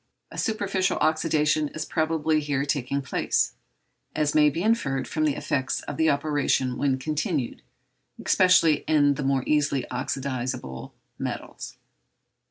A superficial oxydation is probably here taking place, as may be inferred from the effects of the operation when continued, especially in the more easily oxydizable metals.